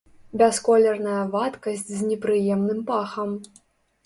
Бясколерная вадкасць з непрыемным пахам.